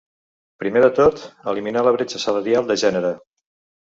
Primer de tot, eliminar la bretxa salarial de gènere.